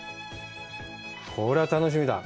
これは楽しみだ。